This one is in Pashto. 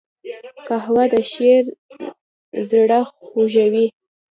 قهوه د شاعر زړه خوږوي